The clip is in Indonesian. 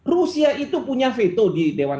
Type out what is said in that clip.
rusia itu punya veto di dewan